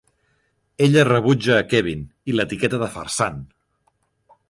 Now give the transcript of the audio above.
Ella rebutja a Kevin, i l'etiqueta de farsant.